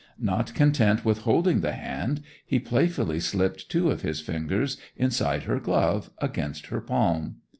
Not content with holding the hand, he playfully slipped two of his fingers inside her glove, against her palm.